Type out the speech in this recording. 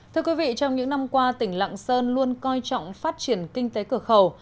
thưa quý vị trong những năm qua tỉnh lạng sơn luôn coi trọng phát triển kinh tế cửa khẩu